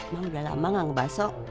ma udah lama ngebaso